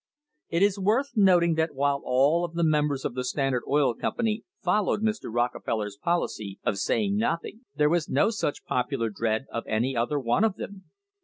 It is worth noting that while all of the members of the Standard Oil Company followed Mr. Rockefeller's policy of saying noth ing, there was no such popular dread of any other one of them.